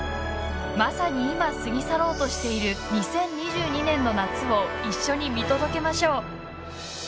まさに今、過ぎ去ろうとしている２０２２年の夏を一緒に見届けましょう。